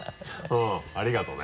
うんありがとうね。